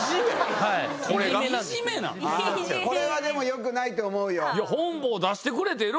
これはよくないと思うよ。